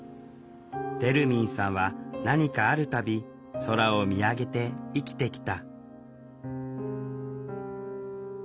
てるみんさんは何かあるたび空を見上げて生きてきた